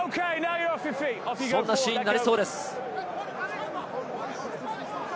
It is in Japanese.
そんなシーンになりそうです。